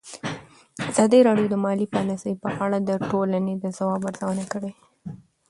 ازادي راډیو د مالي پالیسي په اړه د ټولنې د ځواب ارزونه کړې.